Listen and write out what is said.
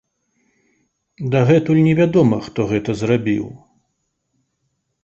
Дагэтуль невядома, хто гэта зрабіў.